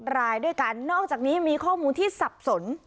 รายด้วยกันนอกจากนี้มีข้อมูลที่สับสน